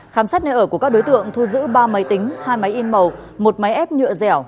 khám xét nơi ở của các đối tượng thu giữ ba máy tính hai máy in màu một máy ép nhựa dẻo